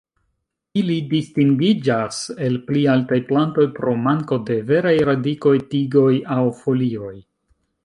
Ili distingiĝas el pli altaj plantoj pro manko de veraj radikoj, tigoj aŭ folioj.